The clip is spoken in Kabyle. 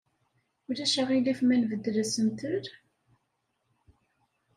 Ulac aɣilif ma nbeddel asentel?